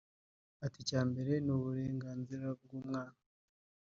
Ati “ Icya mbere ni uburenganzira bw’umwana